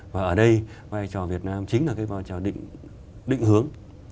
và ở đây vai trò việt nam chính là cái vai trò định hướng